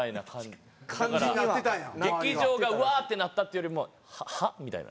だから劇場がうわーってなったっていうよりもはあ？みたいな。